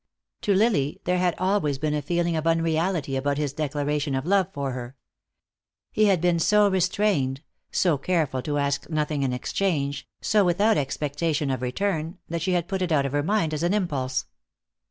To Lily there had always been a feeling of unreality about his declaration of love for her. He had been so restrained, so careful to ask nothing in exchange, so without expectation of return, that she had put it out of her mind as an impulse.